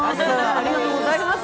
ありがとうございます。